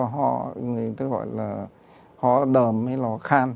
ho đầm hay là ho khan